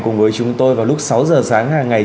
cùng với chúng tôi vào lúc sáu giờ sáng hàng ngày